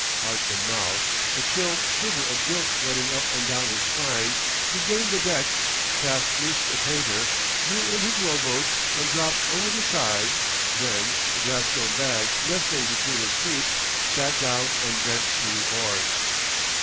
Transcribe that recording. Heart in mouth, a chill shiver of guilt running up and down his spine, he gained the deck, cast loose the painter, drew in his rowboat, and dropped over the side; then, the gladstone bag nestling between his feet, sat down and bent to the oars.